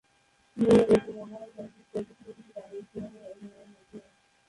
তিনি মূলত মূলধারার চলচ্চিত্রে এসেছেন কিছু তামিল সিনেমায় অভিনয়ের মাধ্যমে।